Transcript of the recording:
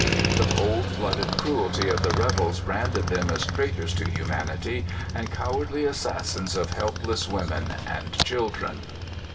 The cold blooded cruelty of the rebels branded them as traitors to humanity and cowardly assassins of helpless women and children.